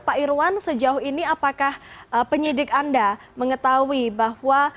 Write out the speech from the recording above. pak irwan sejauh ini apakah penyidik anda mengetahui bahwa